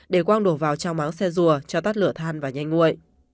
để quang đổ vào trong máu xe rùa cho tắt lửa than và nhanh nguội